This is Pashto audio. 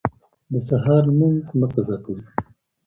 د سهار لمونځ مه قضا کوئ.